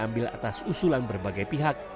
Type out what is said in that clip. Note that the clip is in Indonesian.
ambil atas usulan berbagai pihak